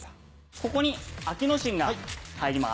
ここに暁之進が入ります。